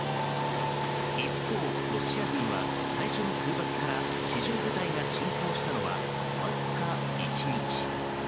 一方、ロシア軍は最初空爆から地上部隊が侵攻したのはわずか１日。